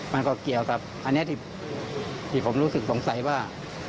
มันก็เกี่ยวกับอันนี้ที่ผมรู้สึกสงสัยว่า